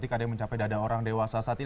tadi apa yang mencapai dada orang dewasa saat ini